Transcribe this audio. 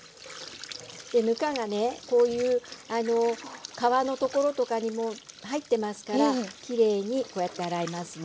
ぬかがねこういう皮のところとかにも入ってますからきれいにこうやって洗いますね。